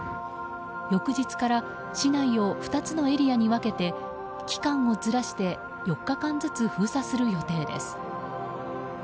翌日から市内を２つのエリアに分けて期間をずらして４日間ずつ封鎖する予定です。